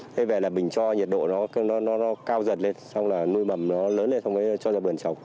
thế về là mình cho nhiệt độ nó cao giật lên xong là nuôi mầm nó lớn lên xong rồi cho vào bờn trồng